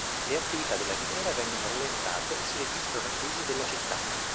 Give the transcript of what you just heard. Le attività della miniera vengono rallentate e si registra una crisi della città.